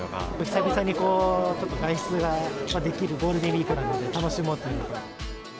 久々にこう、外出ができるゴールデンウィークなので、楽しもうっていう。